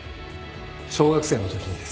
小学生の時にです。